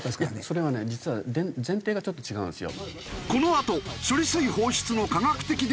それはね実は前提がちょっと違うんですよ。